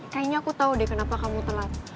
kayaknya aku tahu deh kenapa kamu telat